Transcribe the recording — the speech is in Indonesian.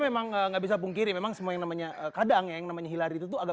memang nggak bisa pungkiri memang semuanya namanya kadang yang namanya hillary itu agak